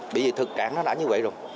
bởi vì thực trạng nó đã như vậy rồi